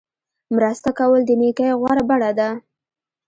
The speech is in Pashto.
مرسته کول د نیکۍ غوره بڼه ده.